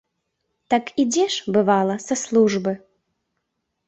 Так ідзеш, бывала, са службы.